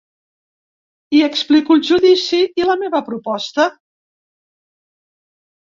Hi explico el judici i la meva proposta.